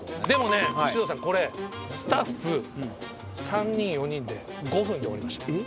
でもね獅童さんこれスタッフ３人４人で５分で終わりました。